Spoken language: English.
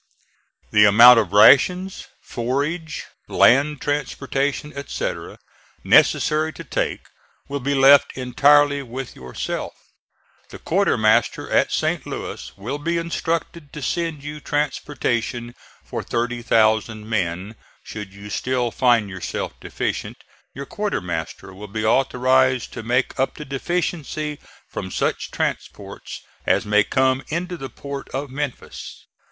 The amount of rations, forage, land transportation, etc., necessary to take, will be left entirely with yourself. The Quartermaster at St. Louis will be instructed to send you transportation for 30,000 men; should you still find yourself deficient, your quartermaster will be authorized to make up the deficiency from such transports as may come into the port of Memphis.